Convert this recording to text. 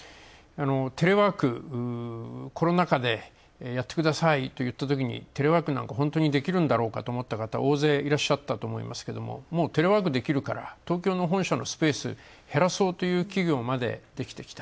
テレワーク、コロナ禍でやってくださいと言ったときにテレワークなんか、本当にできるんだろうかと思った方、大勢いらっしゃったと思いますけど、テレワークできるから東京の本社のスペース減らそうという企業までできてきた。